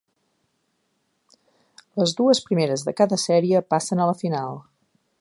Les dues primeres de cada sèrie passen a la final.